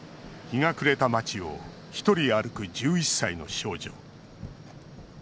日が暮れた街を一人歩く１１歳の少女。